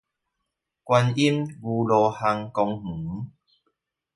觀音牛路巷公園